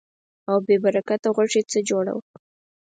او بې برکته غوښې څخه جوړه وه.